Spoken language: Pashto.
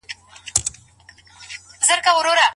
قلمي خط د ماشین له بې روحۍ سره توپیر لري.